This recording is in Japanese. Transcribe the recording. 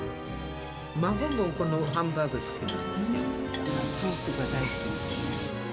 孫もこのハンバーグ好きなんソースが大好きです。